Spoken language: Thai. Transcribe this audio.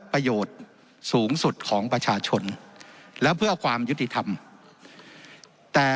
ประโยชน์สูงสุดของประชาชนแล้วเพื่อความยุติธรรมแต่